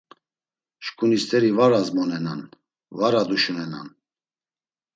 Şǩuni st̆eri var azmonenan, var aduşunenan.